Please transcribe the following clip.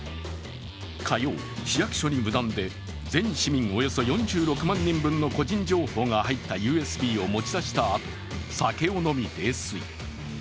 火曜、市役所に無断で全市民およそ４６万人分の個人情報が入ったＵＳＢを持ち出したあと、酒を飲み泥酔。